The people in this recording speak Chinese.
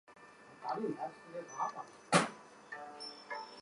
陆军军官学校第四期步科毕业。